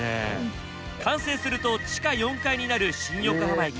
完成すると地下４階になる新横浜駅。